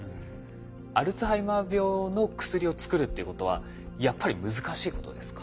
アルツハイマー病の薬を作るっていうことはやっぱり難しいことですか？